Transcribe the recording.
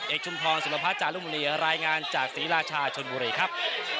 ชุมพรสุรพัฒจารุมรีรายงานจากศรีราชาชนบุรีครับ